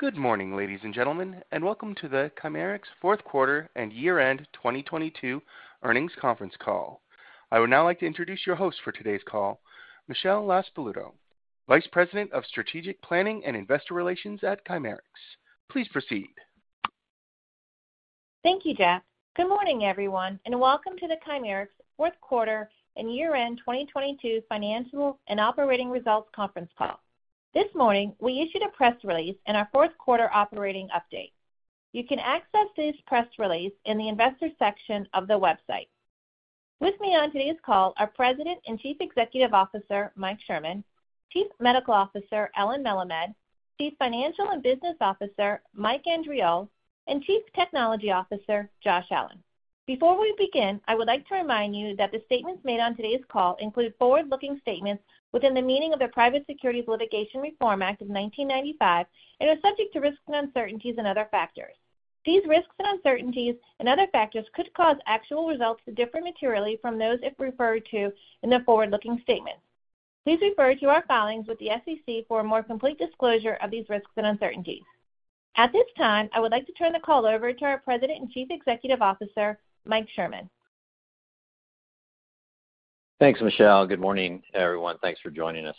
Good morning, ladies and gentlemen, and welcome to the Chimerix fourth quarter and year-end 2022 earnings conference call. I would now like to introduce your host for today's call, Michelle LaSpaluto, Vice President of Strategic Planning and Investor Relations at Chimerix. Please proceed. Thank you, Jack. Good morning, everyone, and welcome to the Chimerix fourth quarter and year-end 2022 financial and operating results conference call. This morning, we issued a press release in our fourth quarter operating update. You can access this press release in the investor section of the website. With me on today's call are President and Chief Executive Officer, Mike Sherman, Chief Medical Officer, Allen Melemed, Chief Financial and Business Officer, Mike Andriole, and Chief Technology Officer, Josh Allen. Before we begin, I would like to remind you that the statements made on today's call include forward-looking statements within the meaning of the Private Securities Litigation Reform Act of 1995 and are subject to risks and uncertainties and other factors. These risks and uncertainties and other factors could cause actual results to differ materially from those it referred to in the forward-looking statement. Please refer to our filings with the SEC for a more complete disclosure of these risks and uncertainties. At this time, I would like to turn the call over to our President and Chief Executive Officer, Mike Sherman. Thanks, Michelle. Good morning, everyone. Thanks for joining us.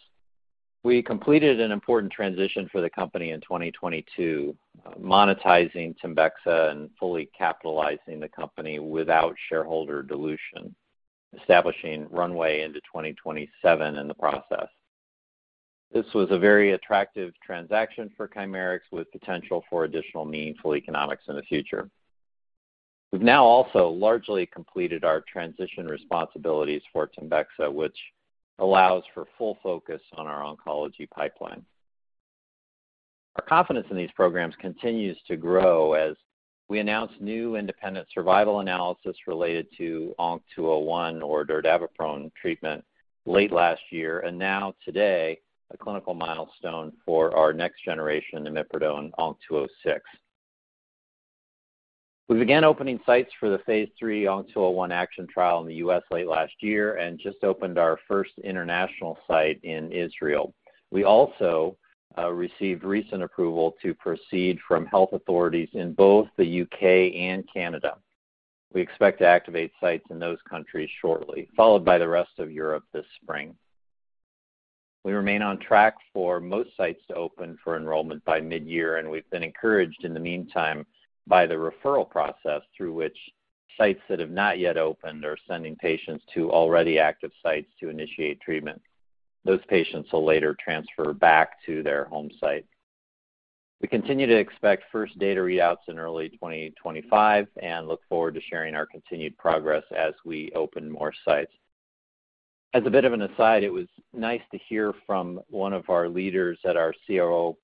We completed an important transition for the company in 2022, monetizing TEMBEXA and fully capitalizing the company without shareholder dilution, establishing runway into 2027 in the process. This was a very attractive transaction for Chimerix, with potential for additional meaningful economics in the future. We've now also largely completed our transition responsibilities for TEMBEXA, which allows for full focus on our oncology pipeline. Our confidence in these programs continues to grow as we announced new independent survival analysis related to ONC201 or dordaviprone treatment late last year, and now today, a clinical milestone for our next generation, imipridone ONC206. We began opening sites for the phase III ONC201 ACTION trial in the U.S. late last year and just opened our first international site in Israel. We also received recent approval to proceed from health authorities in both the U.K. and Canada. We expect to activate sites in those countries shortly, followed by the rest of Europe this spring. We remain on track for most sites to open for enrollment by mid-year, and we've been encouraged in the meantime by the referral process through which sites that have not yet opened are sending patients to already active sites to initiate treatment. Those patients will later transfer back to their home site. We continue to expect first data readouts in early 2025 and look forward to sharing our continued progress as we open more sites. As a bit of an aside, it was nice to hear from one of our leaders at our CRO,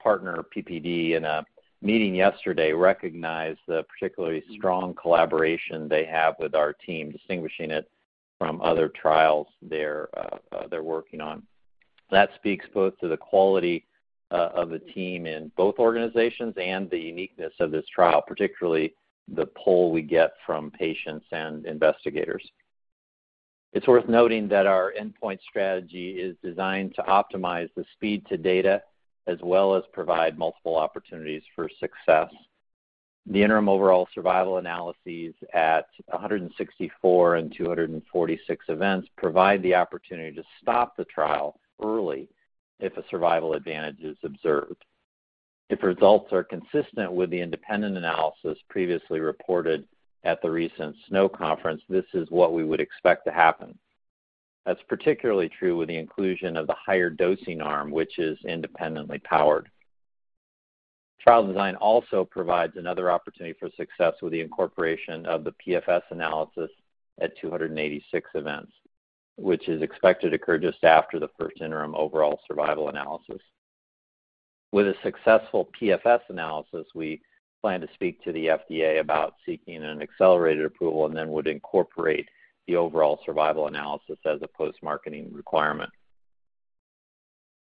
partner, PPD, in a meeting yesterday recognize the particularly strong collaboration they have with our team, distinguishing it from other trials they're working on. That speaks both to the quality of the team in both organizations and the uniqueness of this trial, particularly the pull we get from patients and investigators. It's worth noting that our endpoint strategy is designed to optimize the speed to data as well as provide multiple opportunities for success. The interim overall survival analyses at 164 and 246 events provide the opportunity to stop the trial early if a survival advantage is observed. If results are consistent with the independent analysis previously reported at the recent SNO Conference, this is what we would expect to happen. That's particularly true with the inclusion of the higher dosing arm, which is independently powered. Trial design also provides another opportunity for success with the incorporation of the PFS analysis at 286 events, which is expected to occur just after the first interim overall survival analysis. With a successful PFS analysis, we plan to speak to the FDA about seeking an accelerated approval and then would incorporate the overall survival analysis as a post-marketing requirement.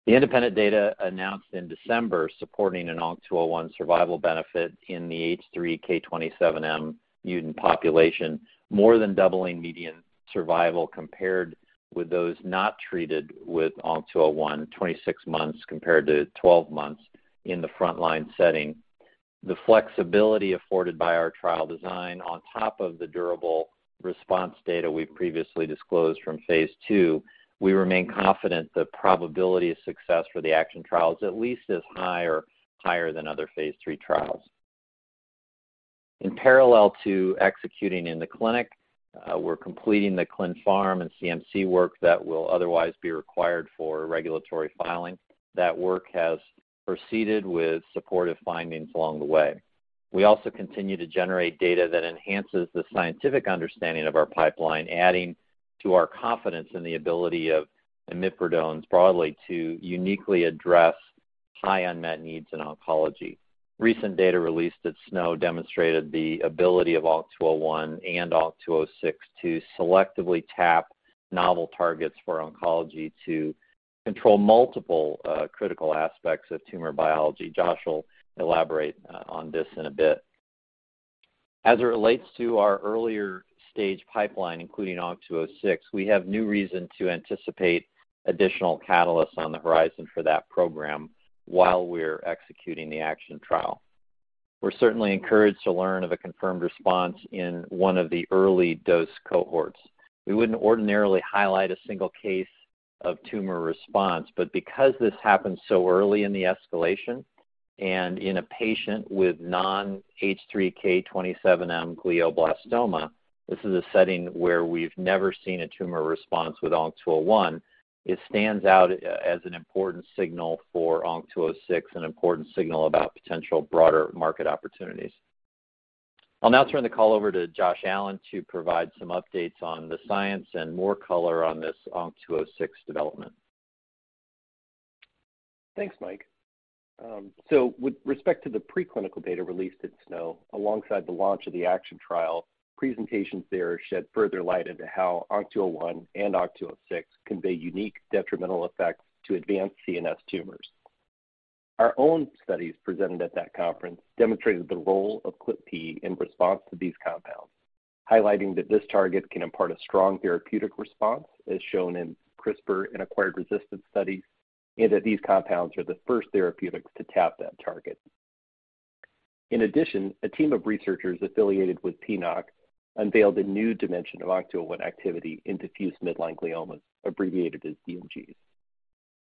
The independent data announced in December supporting an ONC201 survival benefit in the H3 K27M mutant population, more than doubling median survival compared with those not treated with ONC201, 26 months compared to 12 months in the front-line setting. The flexibility afforded by our trial design on top of the durable response data we previously disclosed from phase II, we remain confident the probability of success for the ACTION trial is at least as high or higher than other phase III trials. In parallel to executing in the clinic, we're completing the clin pharm and CMC work that will otherwise be required for regulatory filing. That work has proceeded with supportive findings along the way. We also continue to generate data that enhances the scientific understanding of our pipeline, adding to our confidence in the ability of imipridones broadly to uniquely address high unmet needs in oncology. Recent data released at SNO demonstrated the ability of ONC201 and ONC206 to selectively tap novel targets for oncology to control multiple critical aspects of tumor biology. Josh will elaborate on this in a bit. As it relates to our earlier stage pipeline, including ONC206, we have new reason to anticipate additional catalysts on the horizon for that program while we're executing the ACTION trial. We're certainly encouraged to learn of a confirmed response in one of the early dose cohorts. We wouldn't ordinarily highlight a single case of tumor response, but because this happened so early in the escalation and in a patient with non-H3 K27M glioblastoma, this is a setting where we've never seen a tumor response with ONC201. It stands out as an important signal for ONC206, an important signal about potential broader market opportunities. I'll now turn the call over to Josh Allen to provide some updates on the science and more color on this ONC206 development. Thanks, Mike. With respect to the preclinical data released at SNO alongside the launch of the ACTION trial, presentations there shed further light into how ONC201 and ONC206 convey unique detrimental effects to advanced CNS tumors. Our own studies presented at that conference demonstrated the role of ClpP in response to these compounds, highlighting that this target can impart a strong therapeutic response, as shown in CRISPR and acquired resistance studies, and that these compounds are the first therapeutics to tap that target. In addition, a team of researchers affiliated with PNOC unveiled a new dimension of ONC201 activity in diffuse midline gliomas, abbreviated as DMGs.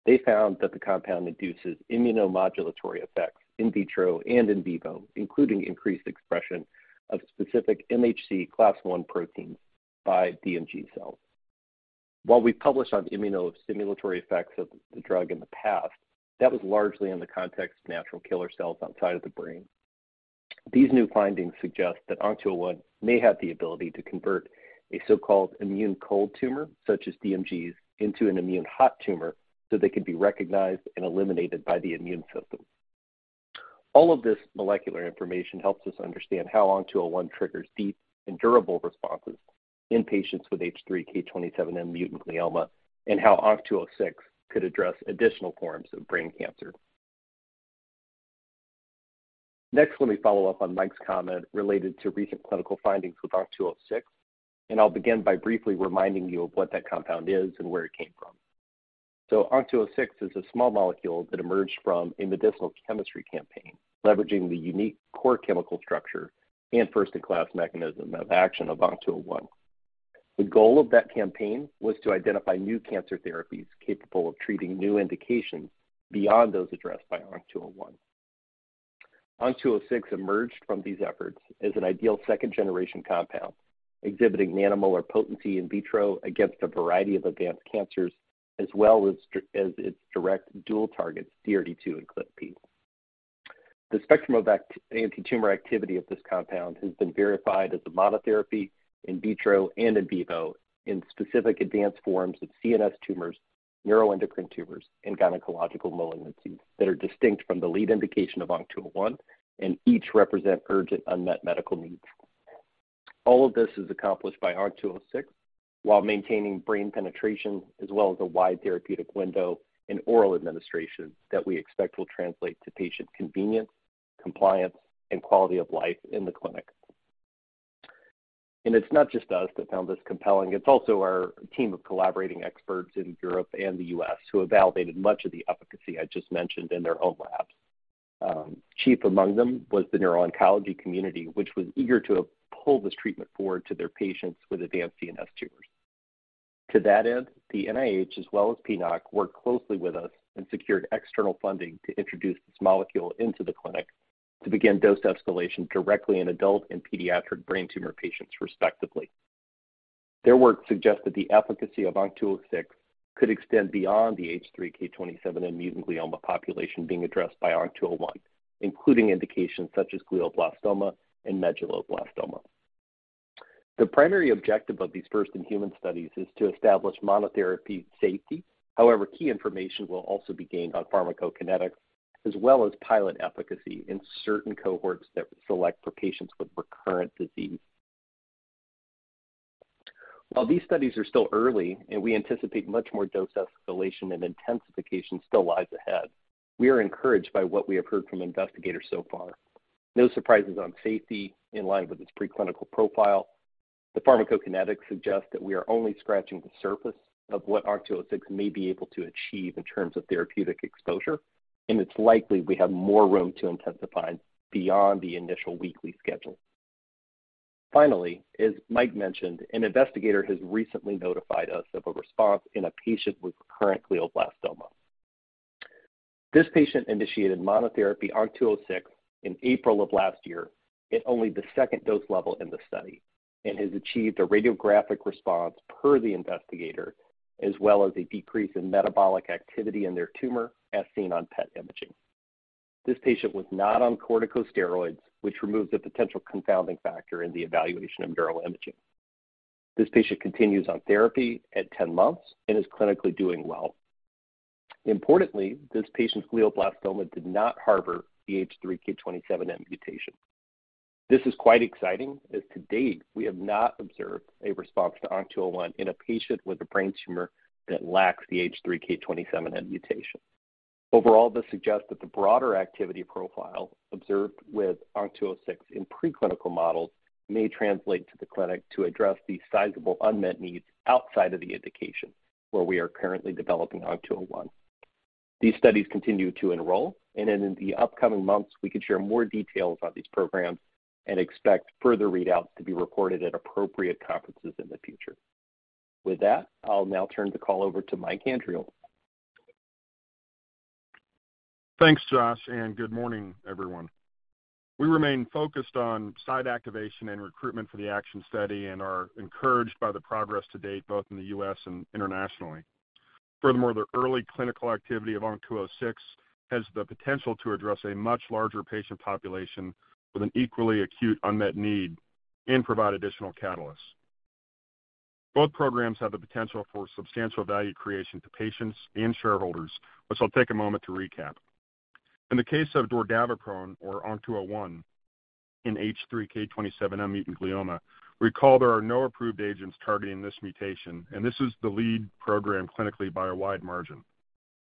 They found that the compound induces immunomodulatory effects in vitro and in vivo, including increased expression of specific MHC class I proteins by DMG cells. While we published on the immunostimulatory effects of the drug in the past, that was largely in the context of natural killer cells outside of the brain. These new findings suggest that ONC201 may have the ability to convert a so-called immune cold tumor, such as DMGs, into an immune hot tumor so they can be recognized and eliminated by the immune system. All of this molecular information helps us understand how ONC201 triggers deep and durable responses in patients with H3K27M-mutant glioma, and how ONC206 could address additional forms of brain cancer. Next, let me follow up on Mike's comment related to recent clinical findings with ONC206, and I'll begin by briefly reminding you of what that compound is and where it came from. ONC206 is a small molecule that emerged from a medicinal chemistry campaign, leveraging the unique core chemical structure and first-in-class mechanism of action of ONC201. The goal of that campaign was to identify new cancer therapies capable of treating new indications beyond those addressed by ONC201. ONC206 emerged from these efforts as an ideal second-generation compound, exhibiting nanomolar potency in vitro against a variety of advanced cancers, as well as its direct dual targets, DRD2 and ClpP. The spectrum of antitumor activity of this compound has been verified as a monotherapy in vitro and in vivo in specific advanced forms of CNS tumors, neuroendocrine tumors, and gynecological malignancies that are distinct from the lead indication of ONC201 and each represent urgent unmet medical needs. All of this is accomplished by ONC206 while maintaining brain penetration as well as a wide therapeutic window in oral administration that we expect will translate to patient convenience, compliance, and quality of life in the clinic. It's not just us that found this compelling. It's also our team of collaborating experts in Europe and the U.S. who have validated much of the efficacy I just mentioned in their own labs. Chief among them was the neuro-oncology community, which was eager to pull this treatment forward to their patients with advanced CNS tumors. To that end, the NIH as well as PNOC worked closely with us and secured external funding to introduce this molecule into the clinic to begin dose escalation directly in adult and pediatric brain tumor patients, respectively. Their work suggests that the efficacy of ONC206 could extend beyond the H3K27M mutant glioma population being addressed by ONC201, including indications such as glioblastoma and medulloblastoma. The primary objective of these first-in-human studies is to establish monotherapy safety. However, key information will also be gained on pharmacokinetics as well as pilot efficacy in certain cohorts that select for patients with recurrent disease. While these studies are still early and we anticipate much more dose escalation and intensification still lies ahead, we are encouraged by what we have heard from investigators so far. No surprises on safety in line with its preclinical profile. The pharmacokinetics suggest that we are only scratching the surface of what ONC206 may be able to achieve in terms of therapeutic exposure, and it's likely we have more room to intensify beyond the initial weekly schedule. Finally, as Mike mentioned, an investigator has recently notified us of a response in a patient with recurrent glioblastoma. This patient initiated monotherapy ONC206 in April of last year at only the second dose level in the study and has achieved a radiographic response per the investigator, as well as a decrease in metabolic activity in their tumor as seen on PET imaging. This patient was not on corticosteroids, which removes a potential confounding factor in the evaluation of neural imaging. This patient continues on therapy at 10 months and is clinically doing well. Importantly, this patient's glioblastoma did not harbor the H3K27M mutation. This is quite exciting, as to date, we have not observed a response to ONC201 in a patient with a brain tumor that lacks the H3K27M mutation. Overall, this suggests that the broader activity profile observed with ONC206 in preclinical models may translate to the clinic to address the sizable unmet needs outside of the indication where we are currently developing ONC201. These studies continue to enroll. In the upcoming months, we could share more details on these programs and expect further readouts to be reported at appropriate conferences in the future. With that, I'll now turn the call over to Mike Andriole. Thanks, Josh. Good morning, everyone. We remain focused on site activation and recruitment for the ACTION study and are encouraged by the progress to date, both in the U.S. and internationally. Furthermore, the early clinical activity of ONC206 has the potential to address a much larger patient population with an equally acute unmet need and provide additional catalysts. Both programs have the potential for substantial value creation to patients and shareholders, which I'll take a moment to recap. In the case of dordaviprone or ONC201 in H3 K27M-mutant glioma, recall there are no approved agents targeting this mutation, and this is the lead program clinically by a wide margin.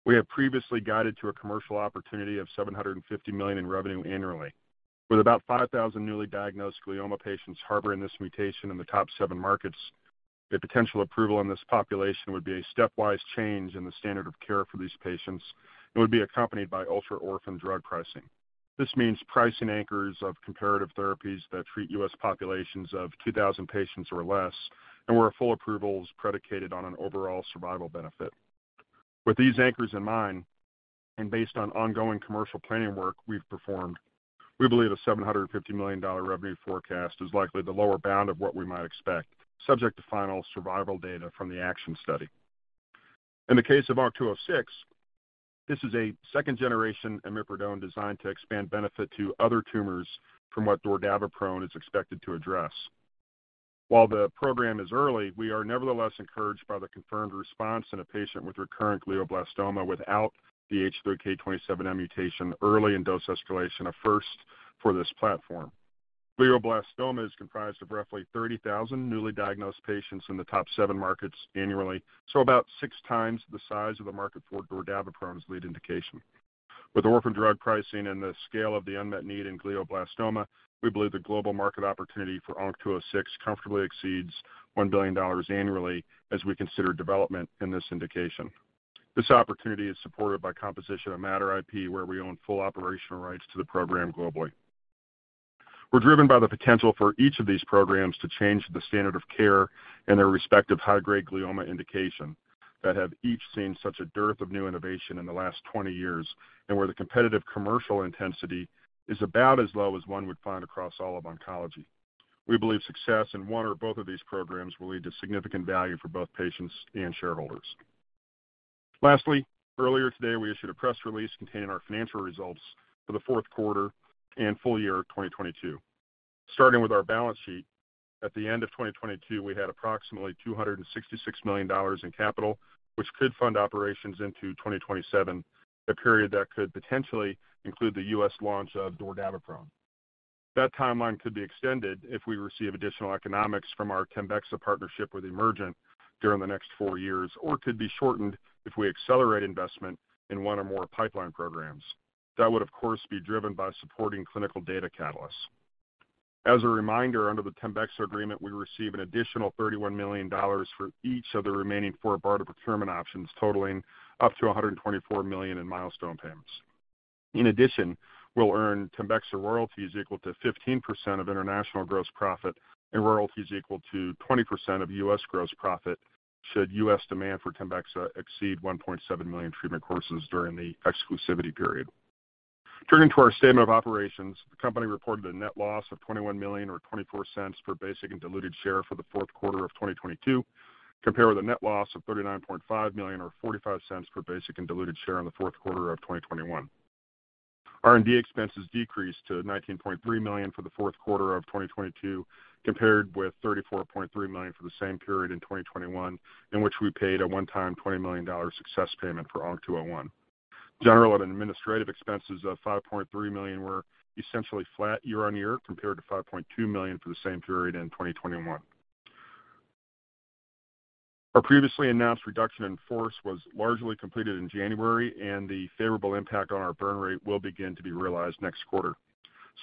We have previously guided to a commercial opportunity of $750 million in revenue annually. With about 5,000 newly diagnosed glioma patients harboring this mutation in the top seven markets, a potential approval in this population would be a stepwise change in the standard of care for these patients and would be accompanied by ultra-orphan drug pricing. This means pricing anchors of comparative therapies that treat U.S. populations of 2,000 patients or less, and where a full approval is predicated on an overall survival benefit. With these anchors in mind and based on ongoing commercial planning work we've performed, we believe a $750 million revenue forecast is likely the lower bound of what we might expect, subject to final survival data from the ACTION study. In the case of ONC206, this is a second-generation imipridone designed to expand benefit to other tumors from what dordaviprone is expected to address. While the program is early, we are nevertheless encouraged by the confirmed response in a patient with recurrent glioblastoma without the H3 K27M mutation early in dose escalation, a first for this platform. Glioblastoma is comprised of roughly 30,000 newly diagnosed patients in the top seven markets annually, so about six times the size of the market for dordaviprone's lead indication. With orphan drug pricing and the scale of the unmet need in glioblastoma, we believe the global market opportunity for ONC206 comfortably exceeds $1 billion annually as we consider development in this indication. This opportunity is supported by composition of Matter IP, where we own full operational rights to the program globally. We're driven by the potential for each of these programs to change the standard of care in their respective high-grade glioma indication that have each seen such a dearth of new innovation in the last 20 years, and where the competitive commercial intensity is about as low as one would find across all of oncology. We believe success in one or both of these programs will lead to significant value for both patients and shareholders. Lastly, earlier today, we issued a press release containing our financial results for the fourth quarter and full year of 2022. Starting with our balance sheet, at the end of 2022, we had approximately $266 million in capital, which could fund operations into 2027, a period that could potentially include the U.S. launch of dordaviprone. That timeline could be extended if we receive additional economics from our TEMBEXA partnership with Emergent during the next four years or could be shortened if we accelerate investment in one or more pipeline programs. That would, of course, be driven by supporting clinical data catalysts. As a reminder, under the TEMBEXA agreement, we receive an additional $31 million for each of the remaining four BARDA procurement options, totaling up to $124 million in milestone payments. In addition, we'll earn TEMBEXA royalties equal to 15% of international gross profit and royalties equal to 20% of U.S. gross profit should U.S. demand for TEMBEXA exceed 1.7 million treatment courses during the exclusivity period. Turning to our statement of operations, the company reported a net loss of $21 million or $0.24 per basic and diluted share for the fourth quarter of 2022, compared with a net loss of $39.5 million or $0.45 per basic and diluted share in the fourth quarter of 2021. R&D expenses decreased to $19.3 million for the fourth quarter of 2022, compared with $34.3 million for the same period in 2021, in which we paid a one-time $20 million success payment for ONC201. General and administrative expenses of $5.3 million were essentially flat year-on-year compared to $5.2 million for the same period in 2021. Our previously announced reduction in force was largely completed in January, and the favorable impact on our burn rate will begin to be realized next quarter.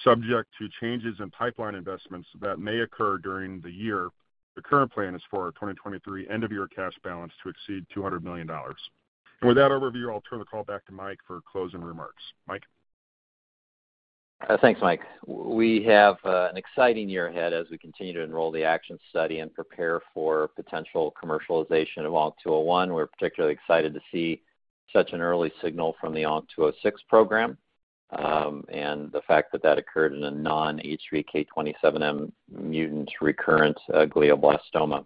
Subject to changes in pipeline investments that may occur during the year, the current plan is for our 2023 end-of-year cash balance to exceed $200 million. With that overview, I'll turn the call back to Mike for closing remarks. Mike? Thanks, Mike. We have an exciting year ahead as we continue to enroll the ACTION study and prepare for potential commercialization of ONC201. We're particularly excited to see such an early signal from the ONC206 program, and the fact that that occurred in a non H3 K27M-mutant recurrent glioblastoma.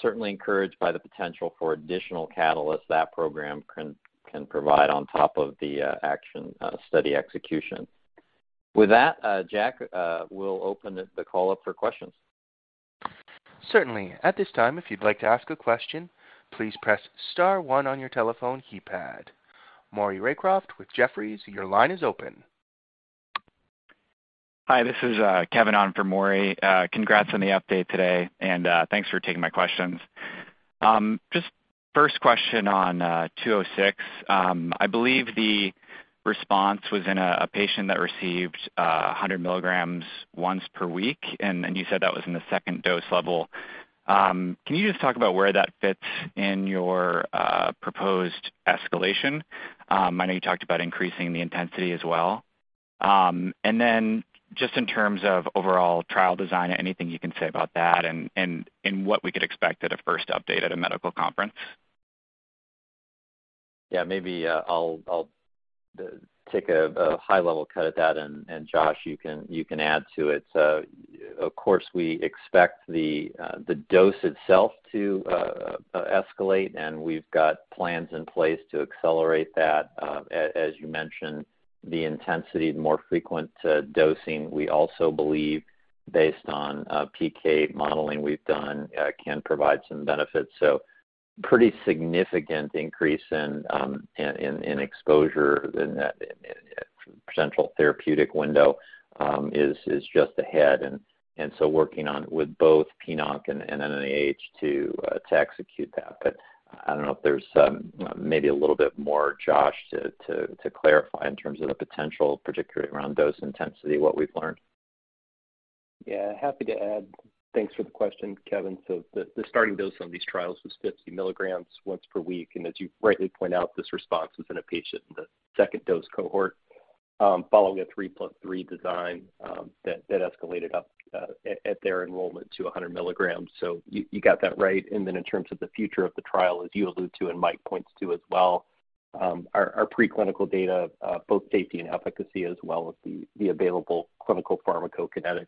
Certainly encouraged by the potential for additional catalysts that program can provide on top of the ACTION study execution. With that, Jack, we'll open the call up for questions. Certainly. At this time, if you'd like to ask a question, please press star one on your telephone keypad. Maury Raycroft with Jefferies, your line is open. Hi, this is Kevin Strang on for Maury. Congrats on the update today, and thanks for taking my questions. Just first question on ONC206. I believe the response was in a patient that received 100 mg once per week, and you said that was in the second dose level. Can you just talk about where that fits in your proposed escalation? I know you talked about increasing the intensity as well. Then just in terms of overall trial design, anything you can say about that and what we could expect at a first update at a medical conference? Yeah, maybe, I'll take a high-level cut at that. Josh, you can add to it. Of course, we expect the dose itself to escalate, and we've got plans in place to accelerate that. As you mentioned, the intensity, the more frequent dosing, we also believe based on PK modeling we've done, can provide some benefits. Pretty significant increase in exposure in that central therapeutic window, is just ahead. Working on with both PNOC and NIH to execute that. I don't know if there's maybe a little bit more Josh to clarify in terms of the potential, particularly around dose intensity, what we've learned. Yeah, happy to add. Thanks for the question, Kevin. The starting dose on these trials was 50 mg once per week. As you rightly point out, this response was in a patient in the second dose cohort, following a 3+3 design that escalated up at their enrollment to 100 mg. You got that right. In terms of the future of the trial, as you allude to and Mike points to as well, our preclinical data, both safety and efficacy as well as the available clinical pharmacokinetics,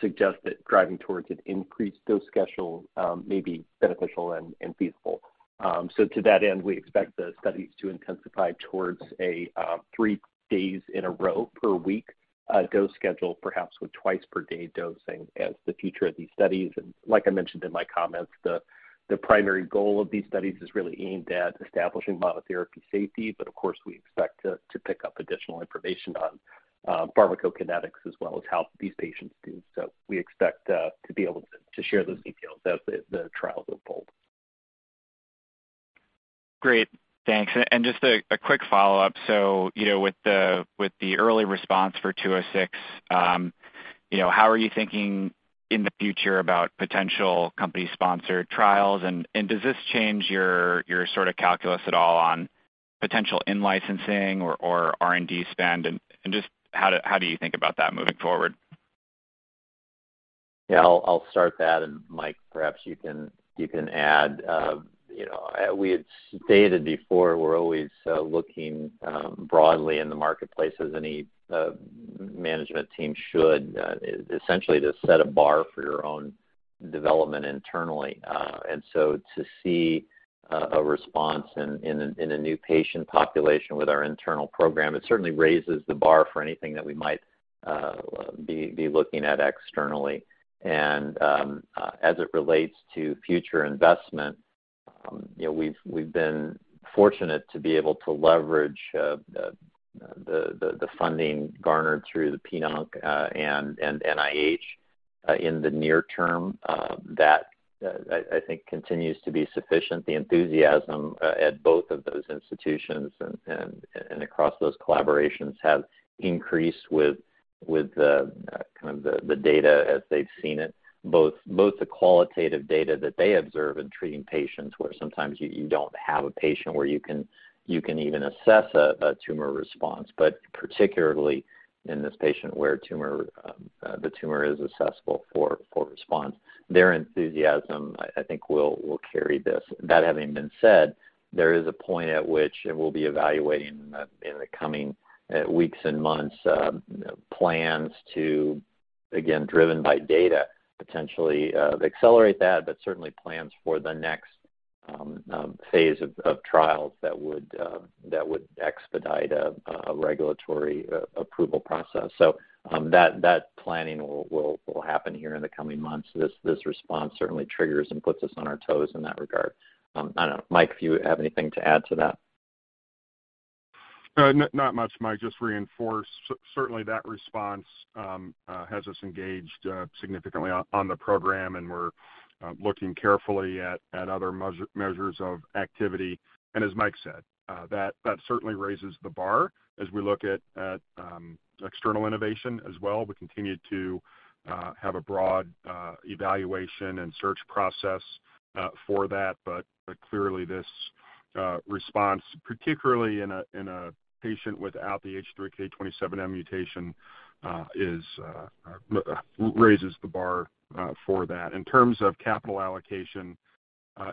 suggest that driving towards an increased dose schedule may be beneficial and feasible. To that end, we expect the studies to intensify towards a three days in a row per week, dose schedule, perhaps with twice per day dosing as the future of these studies. Like I mentioned in my comments, the primary goal of these studies is really aimed at establishing monotherapy safety, but of course, we expect to pick up additional information on pharmacokinetics as well as how these patients do. We expect to be able to share those details as the trials unfold. Great. Thanks. Just a quick follow-up. You know, with the early response for ONC206, you know, how are you thinking in the future about potential company-sponsored trials? Does this change your sort of calculus at all on potential in-licensing or R&D spend? Just how do you think about that moving forward? Yeah, I'll start that, and Mike, perhaps you can add. You know, we had stated before, we're always looking broadly in the marketplace as any management team should, essentially to set a bar for your own development internally. To see a response in a new patient population with our internal program, it certainly raises the bar for anything that we might be looking at externally. As it relates to future investment, you know, we've been fortunate to be able to leverage the funding garnered through the PNOC and NIH in the near term. That I think continues to be sufficient. The enthusiasm at both of those institutions and across those collaborations have increased with the kind of the data as they've seen it, both the qualitative data that they observe in treating patients where sometimes you don't have a patient where you can even assess a tumor response, but particularly in this patient where tumor the tumor is assessable for response. Their enthusiasm, I think will carry this. That having been said, there is a point at which we'll be evaluating in the coming weeks and months, plans to, again, driven by data, potentially accelerate that, certainly plans for the next phase of trials that would expedite a regulatory approval process. That planning will happen here in the coming months. This response certainly triggers and puts us on our toes in that regard. I don't know, Mike, if you have anything to add to that. Not much, Mike. Just reinforce certainly that response has us engaged significantly on the program, and we're looking carefully at other measures of activity. As Mike said, that certainly raises the bar as we look at external innovation as well. We continue to have a broad evaluation and search process for that. Clearly this response, particularly in a patient without the H3 K27M mutation, is raises the bar for that. In terms of capital allocation,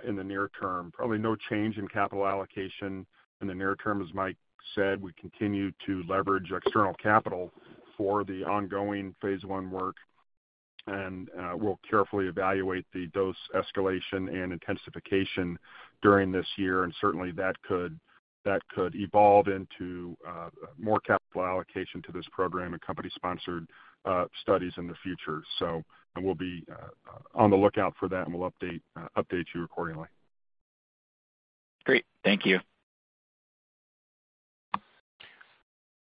in the near term, probably no change in capital allocation in the near term. As Mike said, we continue to leverage external capital for the ongoing phase I work, and we'll carefully evaluate the dose escalation and intensification during this year. Certainly that could evolve into more capital allocation to this program and company-sponsored studies in the future. We'll be on the lookout for that, and we'll update you accordingly. Great. Thank you.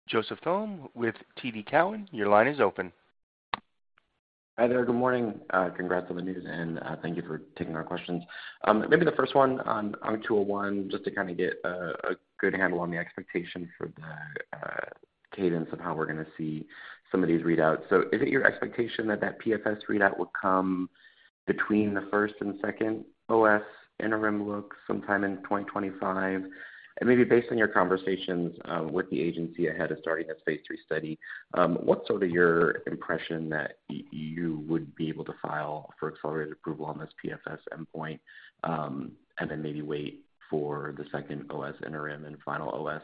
Joseph Thome with TD Cowen, your line is open. Hi there. Good morning. Congrats on the news, and thank you for taking our questions. Maybe the first one on ONC201 just to kinda get a good handle on the expectation for the cadence of how we're gonna see some of these readouts. Is it your expectation that PFS readout will come between the first and second OS interim look sometime in 2025? Maybe based on your conversations with the agency ahead of starting this phase III study, what's sort of your impression that you would be able to file for accelerated approval on this PFS endpoint, and then maybe wait for the second OS interim and final OS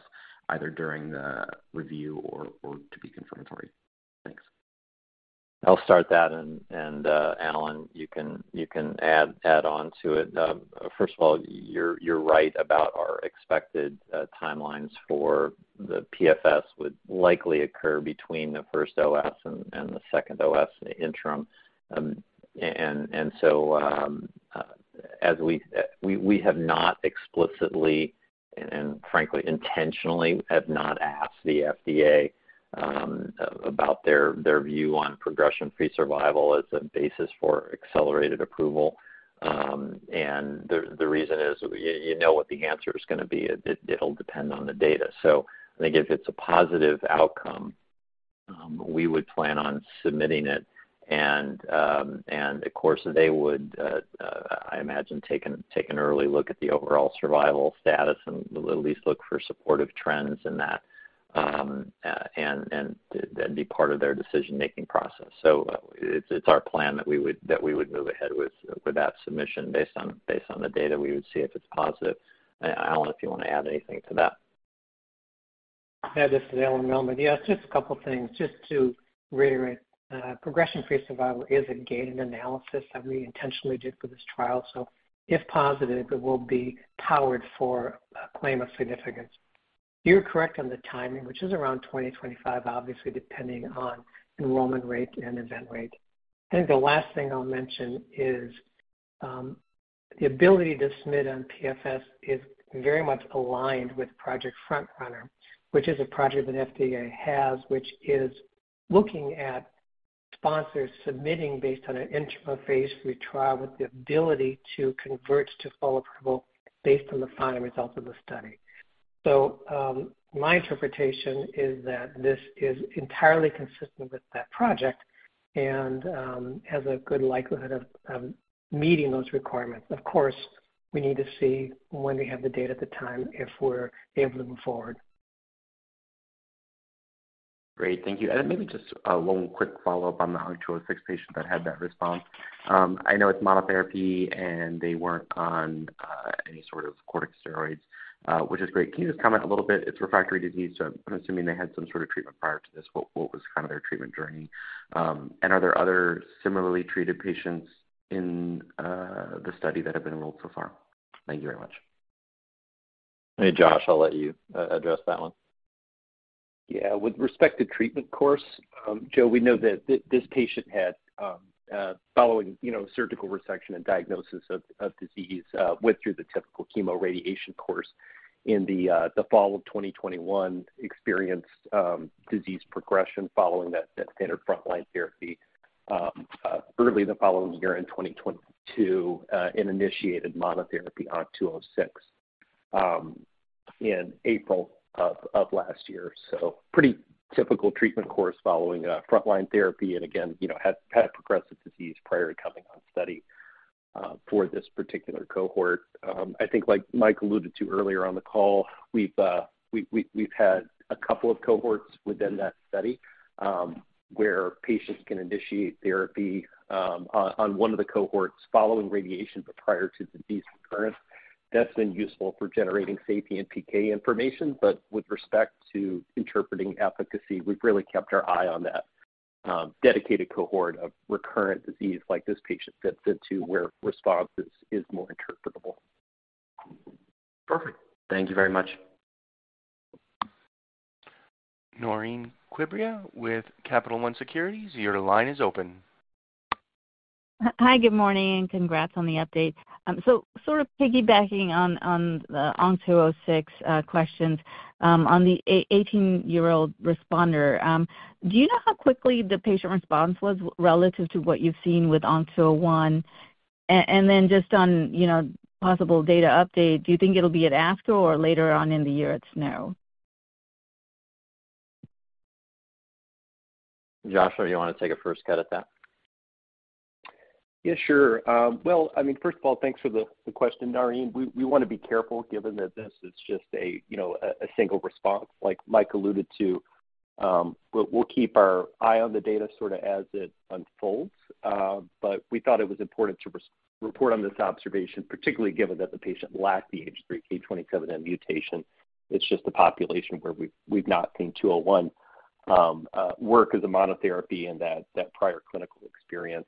either during the review or to be confirmatory? Thanks. I'll start that, and Allen, you can add on to it. First of all, you're right about our expected timelines for the PFS would likely occur between the first OS and the second OS interim. As we have not explicitly and frankly intentionally have not asked the FDA about their view on progression-free survival as a basis for accelerated approval. The reason is you know what the answer is gonna be. It'll depend on the data. I think if it's a positive outcome, we would plan on submitting it and of course they would I imagine take an early look at the overall survival status and will at least look for supportive trends in that and that'd be part of their decision-making process. It's our plan that we would move ahead with that submission based on the data we would see if it's positive. Allen, if you wanna add anything to that. Yeah. This is Allen Melemed. Yes, just a couple things. Just to reiterate, progression-free survival is a gated analysis that we intentionally did for this trial. If positive, it will be powered for a claim of significance. You're correct on the timing, which is around 2025, obviously depending on enrollment rate and event rate. I think the last thing I'll mention is the ability to submit on PFS is very much aligned with Project FrontRunner, which is a project that FDA has, which is looking at sponsors submitting based on an interim or phase III trial with the ability to convert to full approval based on the final results of the study. My interpretation is that this is entirely consistent with that project and has a good likelihood of meeting those requirements. Of course, we need to see when we have the data at the time if we're able to move forward. Great. Thank you. Maybe just one quick follow-up on the ONC206 patient that had that response. I know it's monotherapy, they weren't on any sort of corticosteroids, which is great. Can you just comment a little bit? It's refractory disease, so I'm assuming they had some sort of treatment prior to this. What was kind of their treatment journey? Are there other similarly treated patients in the study that have been enrolled so far? Thank you very much. Hey, Josh, I'll let you address that one. Yeah. With respect to treatment course, Joe, we know that this patient had, following, you know, surgical resection and diagnosis of disease, went through the typical chemoradiation course in the fall of 2021, experienced disease progression following that standard frontline therapy, early the following year in 2022, and initiated monotherapy ONC206 in April of last year. Pretty typical treatment course following frontline therapy and again, you know, had progressive disease prior to coming on study for this particular cohort. I think like Mike alluded to earlier on the call, we've had a couple of cohorts within that study, where patients can initiate therapy on one of the cohorts following radiation but prior to disease recurrence. That's been useful for generating safety and PK information. With respect to interpreting efficacy, we've really kept our eye on that dedicated cohort of recurrent disease like this patient fits into where response is more interpretable. Perfect. Thank you very much. Naureen Quibria with Capital One Securities, your line is open. Hi, good morning, and congrats on the update. sort of piggybacking on the ONC206 questions, on the 18-year-old responder, do you know how quickly the patient response was relative to what you've seen with ONC201? just on, you know, possible data update, do you think it'll be at ASCO or later on in the year at SNO? Josh, do you wanna take a first cut at that? Yeah, sure. Well, I mean, first of all, thanks for the question, Naureen. We wanna be careful given that this is just a, you know, a single response, like Mike alluded to. We'll keep our eye on the data sorta as it unfolds. We thought it was important to report on this observation, particularly given that the patient lacked the H3 K27M mutation. It's just a population where we've not seen ONC201 work as a monotherapy and that prior clinical experience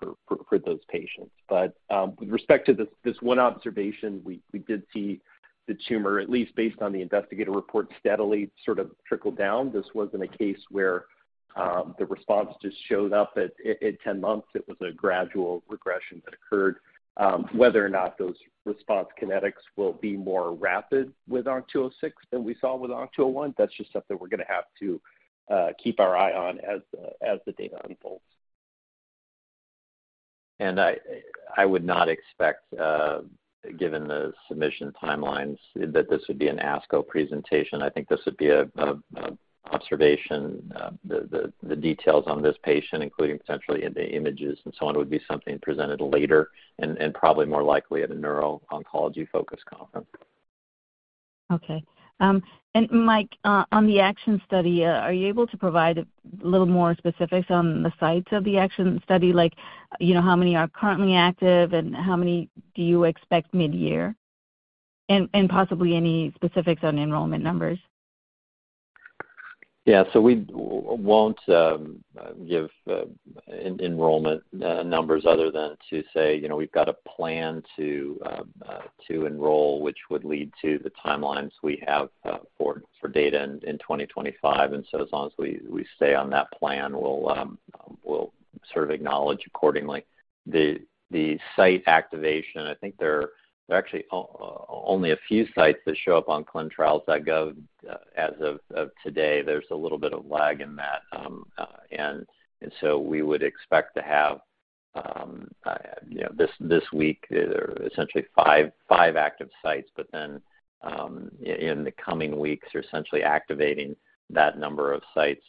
for those patients. With respect to this one observation, we did see the tumor, at least based on the investigator report, steadily sort of trickle down. This wasn't a case where the response just showed up at in 10 months. It was a gradual regression that occurred. Whether or not those response kinetics will be more rapid with ONC206 than we saw with ONC201, that's just stuff that we're gonna have to keep our eye on as the data unfolds. I would not expect, given the submission timelines that this would be an ASCO presentation. I think this would be an observation. The details on this patient, including potentially the images and so on, would be something presented later and probably more likely at a neuro-oncology-focused conference. Okay. Mike, on the ACTION study, are you able to provide a little more specifics on the sites of the ACTION study? Like, you know, how many are currently active, and how many do you expect midyear? Possibly any specifics on enrollment numbers. Yeah. We won't give enrollment numbers other than to say, you know, we've got a plan to enroll, which would lead to the timelines we have for data in 2025. As long as we stay on that plan, we'll sort of acknowledge accordingly. The site activation, I think there are actually only a few sites that show up on clinicaltrials.gov as of today. There's a little bit of lag in that. And we would expect to have, you know, this week, there are essentially five active sites. In the coming weeks, we're essentially activating that number of sites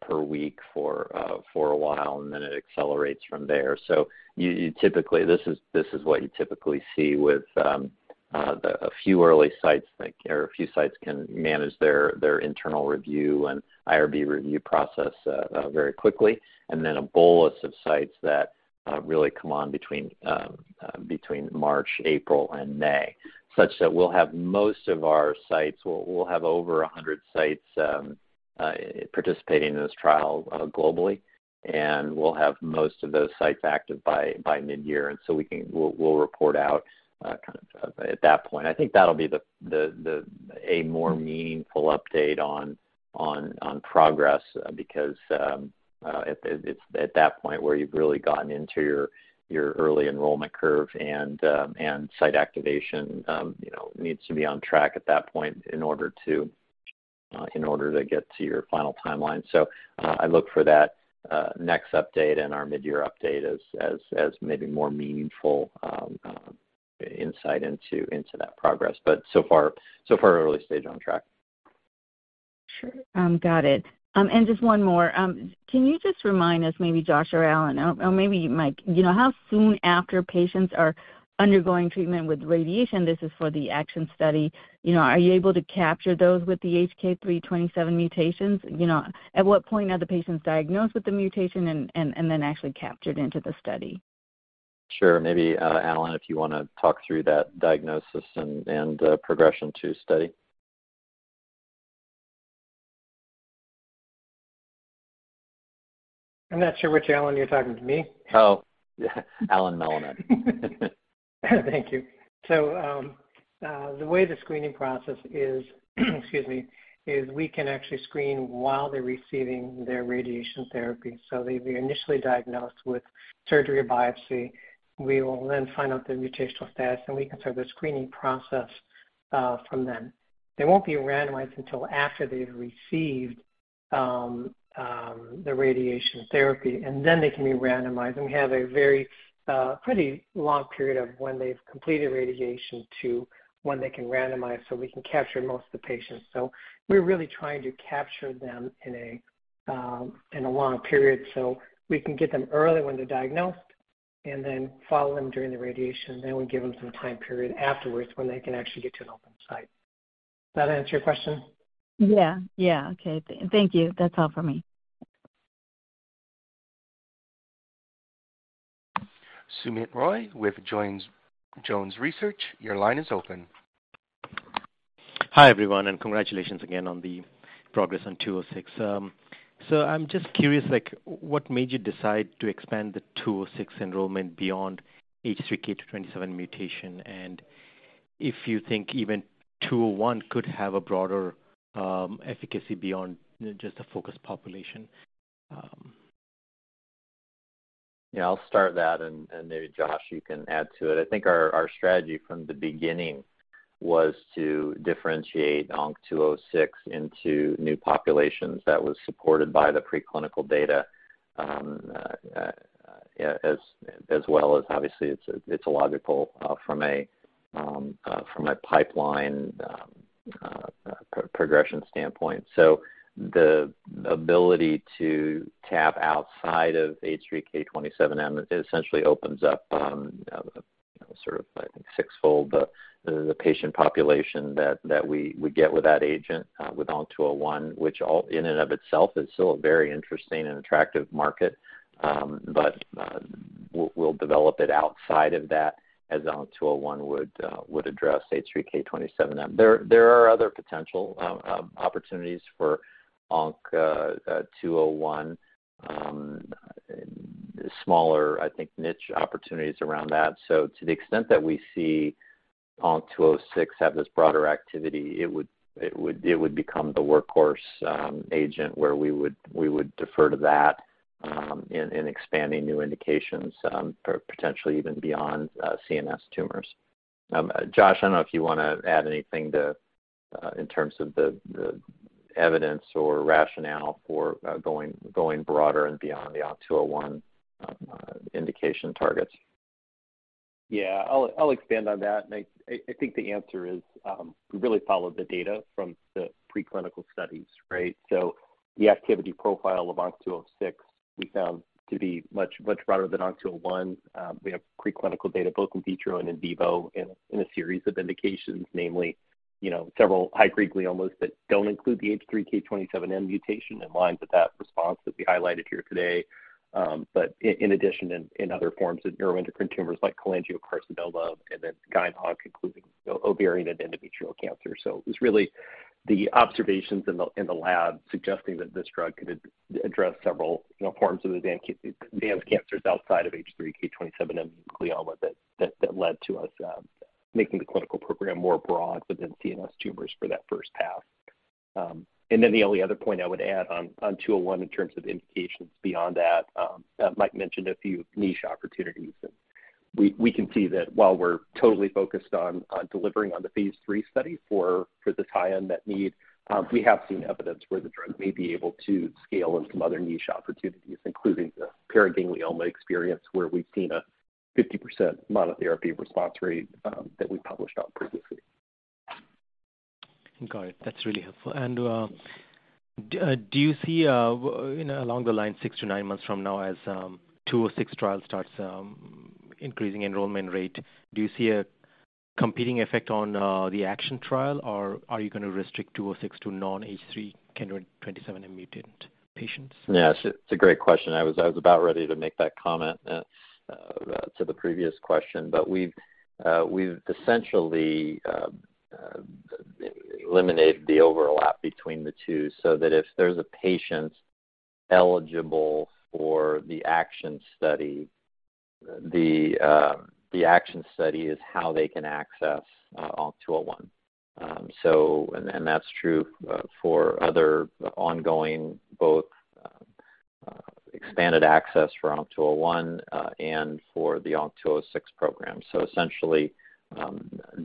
per week for a while, and then it accelerates from there. You typically... This is what you typically see with the... a few early sites or a few sites can manage their internal review and IRB review process very quickly, and then a bolus of sites that really come on between March, April, and May, such that we'll have most of our sites. We'll have over 100 sites participating in this trial globally, and we'll have most of those sites active by midyear. We can... we'll report out kind of at that point. I think that'll be the a more meaningful update on progress because it's at that point where you've really gotten into your early enrollment curve and site activation, you know, needs to be on track at that point in order to get to your final timeline. I look for that next update and our midyear update as maybe more meaningful insight into that progress. So far, early stage on track. Sure. Got it. Just one more. Can you just remind us, maybe Josh or Allen, or maybe Mike, you know, how soon after patients are undergoing treatment with radiation, this is for the ACTION study, you know, are you able to capture those with the H3 K27M mutations? You know, at what point are the patients diagnosed with the mutation and then actually captured into the study? Sure. Maybe, Allen, if you wanna talk through that diagnosis and, progression to study. I'm not sure which Allen. You're talking to me? Oh. Allen Melemed. Thank you. The way the screening process is, excuse me, is we can actually screen while they're receiving their radiation therapy. They'd be initially diagnosed with surgery or biopsy. We will then find out the mutational status, and we can start the screening process from then. They won't be randomized until after they've received the radiation therapy, and then they can be randomized. We have a very pretty long period of when they've completed radiation to when they can randomize, so we can capture most of the patients. We're really trying to capture them in a long period, so we can get them early when they're diagnosed and then follow them during the radiation. We give them some time period afterwards when they can actually get to an open site. Does that answer your question? Yeah. Yeah. Okay. Thank you. That's all for me. Soumit Roy with Jones Research, your line is open. Hi, everyone, and congratulations again on the progress on ONC206. I'm just curious, like, what made you decide to expand the ONC206 enrollment beyond H3 K27M mutation? If you think even ONC201 could have a broader efficacy beyond just the focused population? I'll start that, and maybe, Josh, you can add to it. I think our strategy from the beginning was to differentiate ONC206 into new populations that was supported by the preclinical data as well as obviously it's illogical from a pipeline progression standpoint. The ability to tap outside of H3 K27M essentially opens up, you know, sort of, I think, sixfold the patient population that we get with that agent, with ONC201, which all in and of itself is still a very interesting and attractive market. We'll develop it outside of that as ONC201 would address H3 K27M. There are other potential opportunities for ONC201. Smaller, I think, niche opportunities around that. To the extent that we see ONC206 have this broader activity, it would become the workhorse agent where we would defer to that in expanding new indications, potentially even beyond CNS tumors. Josh, I don't know if you wanna add anything in terms of the evidence or rationale for going broader and beyond the ONC201 indication targets. Yeah. I'll expand on that. I think the answer is, we really followed the data from the preclinical studies, right? The activity profile of ONC206 we found to be much, much broader than ONC201. We have preclinical data both in vitro and in vivo in a series of indications, namely, you know, several high-grade gliomas that don't include the H3 K27M mutation in line with that response that we highlighted here today, but in addition in other forms of neuroendocrine tumors like cholangiocarcinoma and then gynecologic oncology, including, you know, ovarian and endometrial cancer. It was really the observations in the lab suggesting that this drug could address several, you know, forms of advanced cancers outside of H3 K27M-mutant glioma that led to us making the clinical program more broad within CNS tumors for that first path. The only other point I would add on ONC201 in terms of indications beyond that, Mike mentioned a few niche opportunities, and we can see that while we're totally focused on delivering on the phase III study for this high unmet need, we have seen evidence where the drug may be able to scale in some other niche opportunities, including the paraganglioma experience, where we've seen a 50% monotherapy response rate that we published on previously. Got it. That's really helpful. Do you see, you know, along the line six to nine months from now as ONC206 trial starts, increasing enrollment rate, do you see a competing effect on the ACTION trial, or are you gonna restrict ONC206 to non H3 K27M mutant patients? Yes. It's a great question. I was about ready to make that comment to the previous question. We've essentially eliminated the overlap between the two, so that if there's a patient eligible for the ACTION study, the ACTION study is how they can access ONC201. That's true for other ongoing both expanded access for ONC201 and for the ONC206 program. Essentially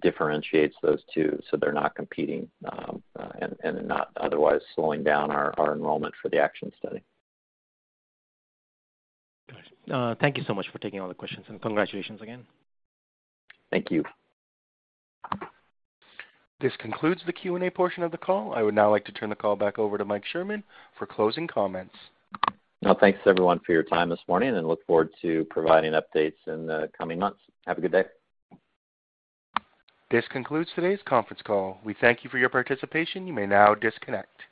differentiates those two so they're not competing and not otherwise slowing down our enrollment for the ACTION study. Got it. Thank you so much for taking all the questions, and congratulations again. Thank you. This concludes the Q&A portion of the call. I would now like to turn the call back over to Mike Sherman for closing comments. Now, thanks everyone for your time this morning, and look forward to providing updates in the coming months. Have a good day. This concludes today's conference call. We thank you for your participation. You may now disconnect.